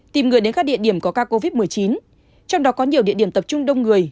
tìm người đến các địa điểm có ca covid một mươi chín trong đó có nhiều địa điểm tập trung đông người